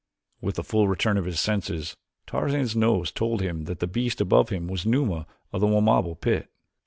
With the full return of his senses Tarzan's nose told him that the beast above him was Numa of the Wamabo pit.